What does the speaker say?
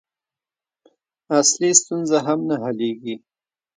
اصلي ستونزه هم نه حلېږي.